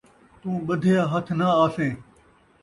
توں ٻدھیا ہتھ ناں آسیں